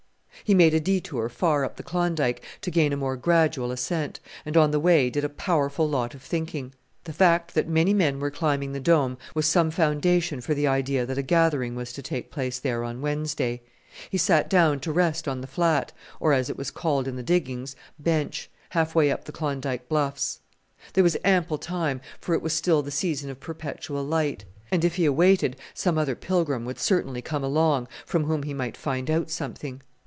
He made a detour far up the Klondike to gain a more gradual ascent, and on the way did a powerful lot of thinking. The fact that many men were climbing the Dome was some foundation for the idea that a gathering was to take place there on Wednesday. He sat down to rest on the flat, or, as it was called in the diggings, bench, half way up the Klondike bluffs. There was ample time, for it was still the season of perpetual light; and if he awaited some other pilgrim would certainly come along, from whom he might find out something.